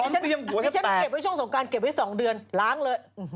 ฉันเก็บไว้ช่วงสงการเก็บไว้๒เดือนล้างเลย